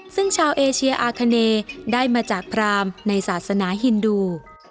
ซึ่งชาวเอเชียอาคเนได้มาจากพรามในศาสนาฮินดู